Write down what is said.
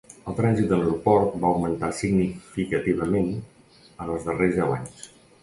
El trànsit de l'aeroport va augmentar significativament en els darrers deu anys.